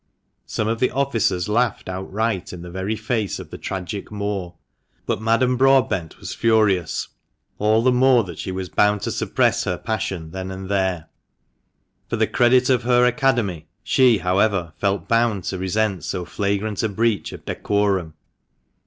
Some of the officers laughed outright in the very face of the tragic Moor ; but Madame Broadbent was furious, all the more that she was bound to suppress her passion then and there. For the credit of her "Academy" she, however, felt bound to resent so flagrant a breach of decorum.